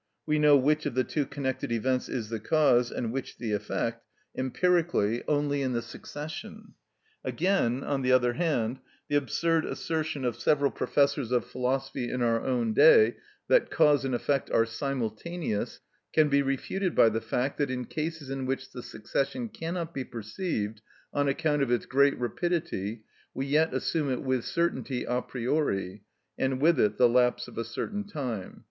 We know which of the two connected events is the cause and which the effect, empirically, only in the succession. Again, on the other hand, the absurd assertion of several professors of philosophy in our own day that cause and effect are simultaneous can be refuted by the fact that in cases in which the succession cannot be perceived on account of its great rapidity, we yet assume it with certainty a priori, and with it the lapse of a certain time.